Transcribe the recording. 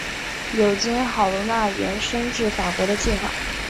有经赫罗纳延伸至法国的计划。